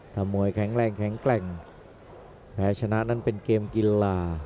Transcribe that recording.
ถ้ามวยแข็งแรงแข็งแกร่งแพ้ชนะนั้นเป็นเกมกีฬา